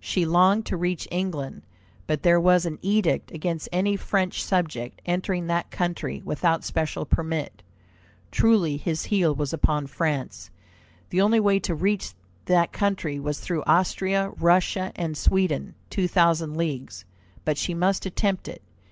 She longed to reach England, but there was an edict against any French subject entering that country without special permit. Truly his heel was upon France. The only way to reach that country was through Austria, Russia, and Sweden, two thousand leagues. But she must attempt it.